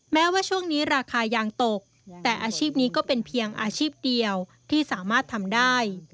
แม้ว่าช่วงนี้ราคายางตกแต่อาชีพนี้ก็เป็นเพียงอาชีพเดียวที่สามารถทำได้